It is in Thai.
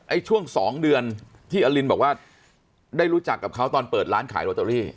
ช่วง๒เดือนที่อลินบอกว่าได้รู้จักกับเขาตอนเปิดร้านขายโรตเตอรี่